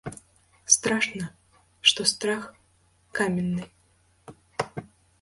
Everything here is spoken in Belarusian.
Страшна, што страх каменны.